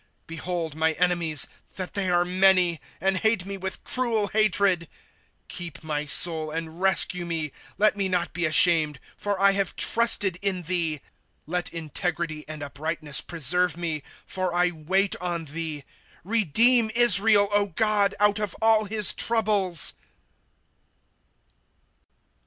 ^' Behold my enemies, that they are many, And bate me with cruel hatred. ^^ Keep my soul, and rescue me ; Let me not be ashamed, for I have trusted in thee. " Let integrity and uprightness preserve me ; For I wait on thee. ./Google ' Redeem Israel, God, Out of all his troubles